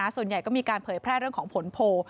ส่วนใหญ่ก็มีการเผยแพร่เรื่องของผลโพล